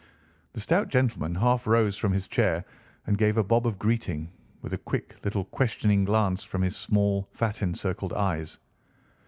The stout gentleman half rose from his chair and gave a bob of greeting, with a quick little questioning glance from his small fat encircled eyes.